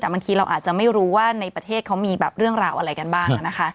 แต่บางทีเราอาจจะไม่รู้ว่าในประเทศเขามีเรื่องราวอะไรกันบ้าง